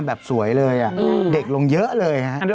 แบบสวยเลยเด็กลงเยอะเลยฮะ